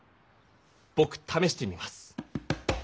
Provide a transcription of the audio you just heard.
ぼくためしてみます！